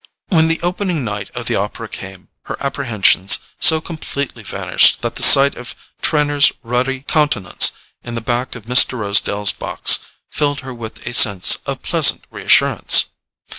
When the opening night of the opera came, her apprehensions had so completely vanished that the sight of Trenor's ruddy countenance in the back of Mr. Rosedale's box filled her with a sense of pleasant reassurance.